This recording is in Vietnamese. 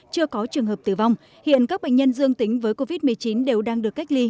chưa có trường hợp tử vong hiện các bệnh nhân dương tính với covid một mươi chín đều đang được cách ly